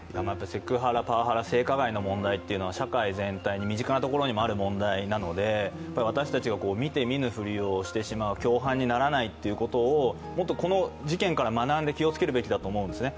セクハラ、パワハラ、性加害の問題は社会全体、身近なところにある問題なので私たちが見て見ぬ振りをしてしまう、共犯にならないということをもっとこの事件から学んで気をつけるべきだと思うんですね。